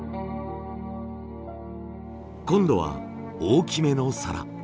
今度は大きめの皿。